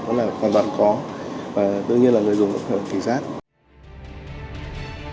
đó là hoàn toàn có và đương nhiên là người dùng cũng phải là tỉnh giác